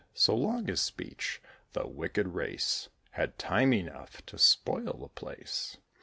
So long his speech, the wicked race Had time enough to spoil the place.